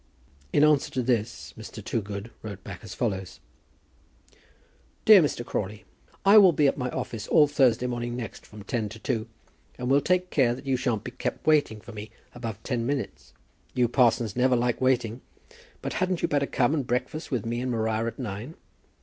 In answer to this, Mr. Toogood wrote back as follows: "Dear Mr. Crawley, I will be at my office all Thursday morning next from ten to two, and will take care that you shan't be kept waiting for me above ten minutes. You parsons never like waiting. But hadn't you better come and breakfast with me and Maria at nine?